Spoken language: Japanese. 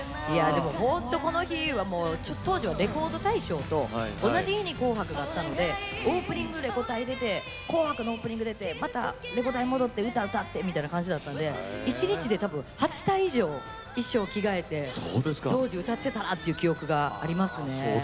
本当に、この日、当時はレコード大賞と同じ日に「紅白」があったのでオープニング、レコ大出て「紅白」のオープニングに出てまたレコ大に戻って歌を歌ったという感じだったので一日で８回以上当時歌っていたなという記憶があります。